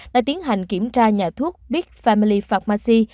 đã tiến hành kiểm tra nhà thuốc big family pharmacy